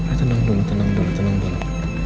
ayo tenang dulu tenang dulu tenang dulu